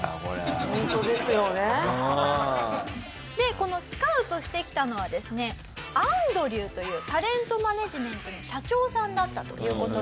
このスカウトしてきたのはですねアンドリューというタレントマネジメントの社長さんだったという事なんですね。